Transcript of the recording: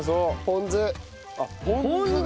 ポン酢。